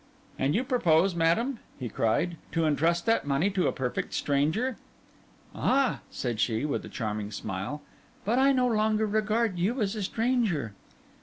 'And you propose, madam,' he cried, 'to intrust that money to a perfect stranger?' 'Ah!' said she, with a charming smile, 'but I no longer regard you as a stranger.